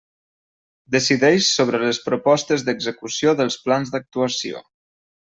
Decideix sobre les propostes d'execució dels plans d'actuació.